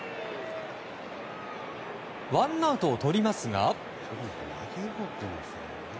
ワンアウトをとりますが。